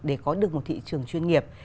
để có được một thị trường chuyên nghiệp